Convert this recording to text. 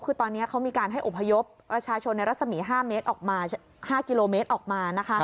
คือตอนนี้เขามีการให้อพยพประชาชนในรัศมี๕กิโลเมตรออกมานะคะ